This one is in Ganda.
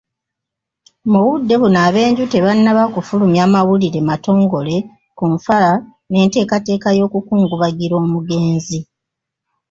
Mu budde buno ab'enju tebannaba kufulumya mawulire matongole ku nfa n'enteekateeka y'okukungubagira omugenzi.